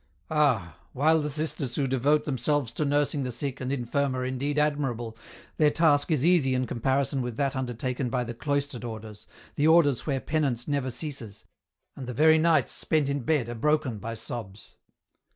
Ah ! while the sisters who devote themselves to nursing the sick and infirm are indeed admirable, their task is easy in comparison with that undertaken by the cloistered Orders, the Orders where penance never ceases, and the very nights spent in bed are broken by sobs."